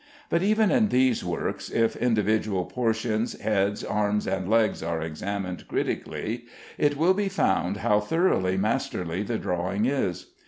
But even in these works, if individual portions, heads, arms, and legs, are examined critically, it will be found how thoroughly masterly the drawing is.